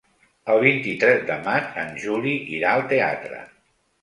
El vint-i-tres de maig en Juli irà al teatre.